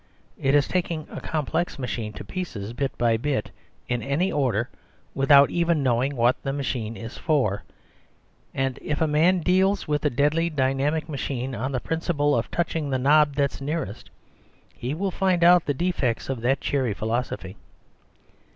It is taking a complex machine to pieces bit by bit, in any order, without even knowing what the ma chine is for. And if a man deals with a deadly dynamic machine on the principle of touching the knob that's nearest, he will find out the defects of that cheery philosophy.